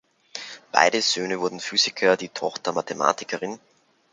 Beide Söhne wurden Physiker, die Tochter Mathematikerin.